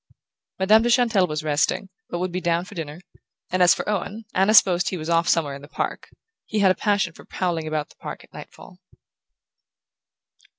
Madame de Chantelle was resting, but would be down for dinner; and as for Owen, Anna supposed he was off somewhere in the park he had a passion for prowling about the park at nightfall...